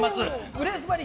グレースバリ